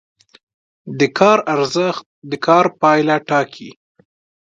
د کار ارزښت د کار پایله ټاکي.